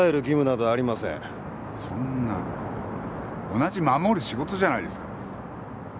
同じ護る仕事じゃないですか。